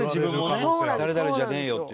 「誰々じゃねーよ」っていう。